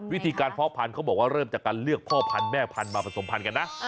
วิธีการเพาะพันธุ์เขาบอกว่าเริ่มจากการเลือกพ่อพันธุแม่พันธุ์มาผสมพันธ์กันนะ